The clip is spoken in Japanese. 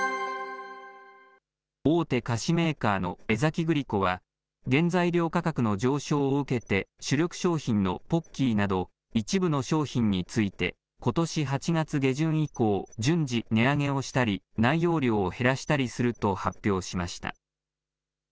大手菓子メーカーの江崎グリコは、原材料価格の上昇を受けて、主力商品のポッキーなど、一部の商品について、ことし８月下旬以降、順次、値上げをしたり、内容量を減らしたりすると発表しました。